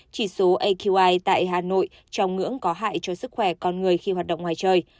chỉ số aqi tại hà nội trong ngưỡng có hại cho sức khỏe con người khi hoạt động ngoài trời